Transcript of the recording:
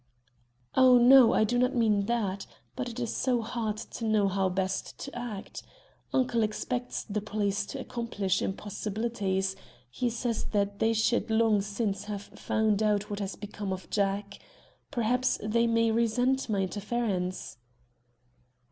"Oh, no, I do not mean that. But it is so hard to know how best to act. Uncle expects the police to accomplish impossibilities. He says that they should long since have found out what has become of Jack. Perhaps they may resent my interference."